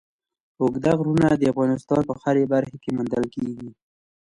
اوږده غرونه د افغانستان په هره برخه کې موندل کېږي.